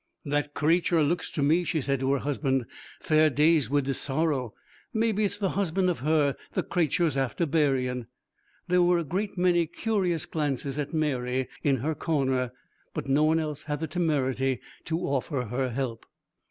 'That crature looks to me,' she said to her husband, 'fair dazed wid the sorrow. Maybe it's the husband of her the crature's after buryin'.' There were a great many curious glances at Mary in her corner, but no one else had the temerity to offer her help.